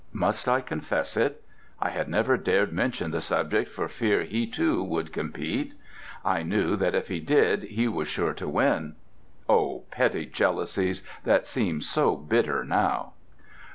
Must I confess it? I had never dared mention the subject for fear he, too, would compete. I knew that if he did he was sure to win. O petty jealousies, that seem so bitter now!